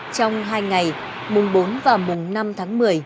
trong hai ngày mùng bốn và mùng năm tháng một mươi